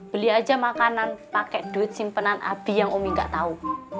beli aja makanan pakai duit simpanan api yang umi nggak tahu